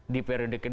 di periode ke dua